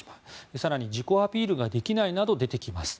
更に自己アピールができないなど出てきます。